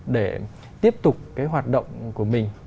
để tiếp tục cái hoạt động của mình